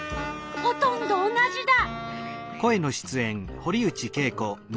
ほとんど同じだ。